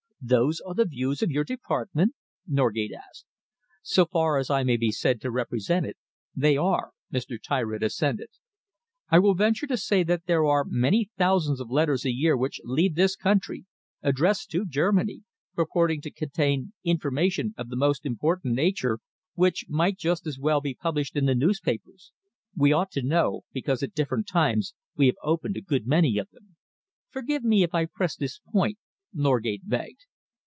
"Those are the views of your department?" Norgate asked. "So far as I may be said to represent it, they are," Mr. Tyritt assented. "I will venture to say that there are many thousands of letters a year which leave this country, addressed to Germany, purporting to contain information of the most important nature, which might just as well be published in the newspapers. We ought to know, because at different times we have opened a good many of them." "Forgive me if I press this point," Norgate begged.